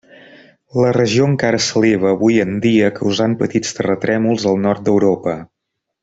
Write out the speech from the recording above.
La regió encara s'eleva avui en dia, causant petits terratrèmols al nord d'Europa.